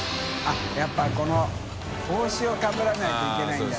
△やっぱこの帽子をかぶらないといけないんだね。